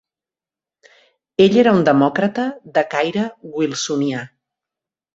Ell era un demòcrata de caire "wilsonià".